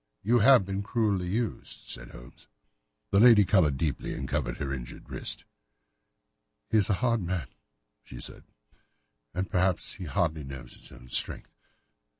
"You have been cruelly used," said Holmes. The lady coloured deeply and covered over her injured wrist. "He is a hard man," she said, "and perhaps he hardly knows his own strength."